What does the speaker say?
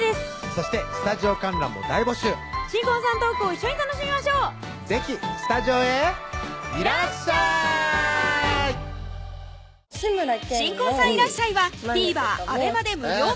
そしてスタジオ観覧も大募集新婚さんのトークを一緒に楽しみましょう是非スタジオへいらっしゃい新婚さんいらっしゃい！はＴＶｅｒ